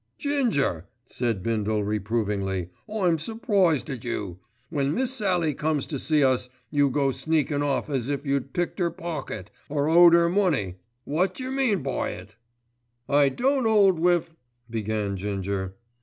"Ginger," said Bindle, reprovingly, "I'm surprised at you. When Miss Sallie comes to see us, you go sneaking off as if you'd picked 'er pocket, or owed 'er money. Wot jer mean by it?" "I don't 'old wiv——" began Ginger.